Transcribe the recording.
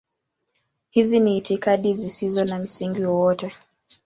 Hizi ni itikadi zisizo na msingi wowote.